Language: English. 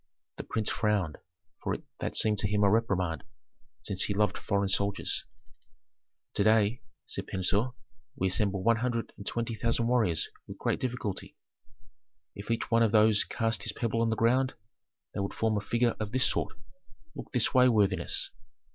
The prince frowned, for that seemed to him a reprimand, since he loved foreign soldiers. "To day," said Pentuer, "we assemble one hundred and twenty thousand warriors with great difficulty. If each one of those cast his pebble on the ground, they would form a figure of this sort. Look this way, worthiness."